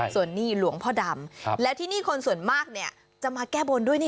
ส่วนนี้หลวงพ่อดำและที่นี่คนส่วนมากจะมาแก้บนด้วย